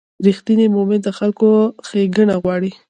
رښتینی مؤمن د خلکو ښېګڼه غواړي.